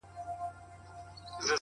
هره ستونزه یو درس لري؛